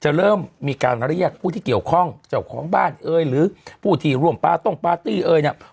เริ่มมีการเรียกผู้ที่เกี่ยวข้องเจ้าของบ้านเอ๋ยหรือผู้ที่ร่วมปาต้งปาร์ตี้เอ่ยเนี่ย